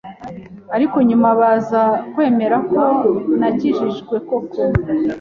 ariko nyuma baza kwemera ko nakijijwe koko